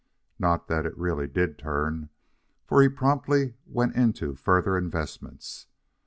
Not that it really did turn, for he promptly went into further investments.